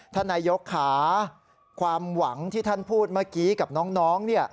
ท่านนายกค่ะความหวังที่ท่านพูดเมื่อกี้กับน้อง